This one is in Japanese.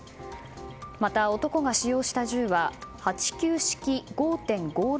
また、男が使用した銃は８９式５．５６